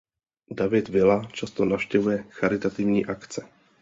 David Villa často navštěvuje charitativní akce.